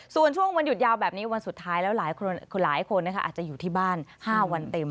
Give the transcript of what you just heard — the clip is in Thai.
ส่วนช่วงวันหยุดยาวแบบนี้วันสุดท้ายแล้วหลายคนอาจจะอยู่ที่บ้าน๕วันเต็ม